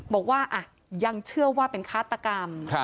บอกว่ายังเชื่อว่าเป็นฆาตกรรม